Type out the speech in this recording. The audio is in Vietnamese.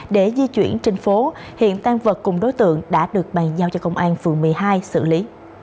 để di chuyển trên phố hiện tan vật cùng đối tượng đã được bàn giao cho công an phường một mươi hai xử lý